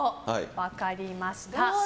分かりました。